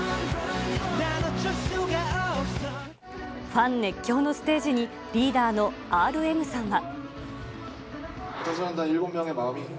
ファン熱狂のステージに、リーダーのＲＭさんは。